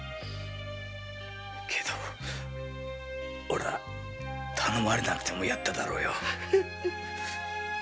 オレは頼まれなくてもやっただろうよ。